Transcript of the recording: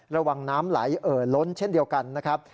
ระวังน้ำไหลเอ่อล้นเช่นเดียวกันนะครับ